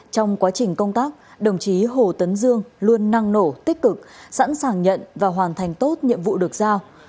trong quá trình công tác đồng chí hồ tấn dương luôn năng nổ tích cực sẵn sàng nhận và hoàn thành tốt nhiệm vụ được giao